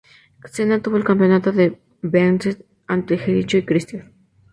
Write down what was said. Cena retuvo el campeonato en Vengeance ante Jericho y Christian.